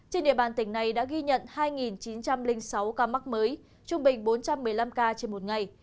trên địa bàn tỉnh này đã ghi nhận hai chín trăm linh sáu ca mắc mới trung bình bốn trăm một mươi năm ca trên một ngày